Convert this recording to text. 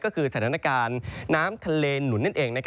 ก็คือสถานการณ์น้ำทะเลหนุนนั่นเอง